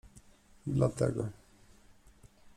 Dlatego.